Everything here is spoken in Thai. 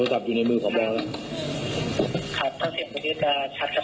ผมอยู่ในมือบอกแล้วครับต่อไปที่ดูจะชัดชัดชัด